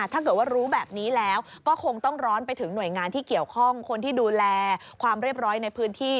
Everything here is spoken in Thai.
ถ้าเกิดว่ารู้แบบนี้แล้วก็คงต้องร้อนไปถึงหน่วยงานที่เกี่ยวข้องคนที่ดูแลความเรียบร้อยในพื้นที่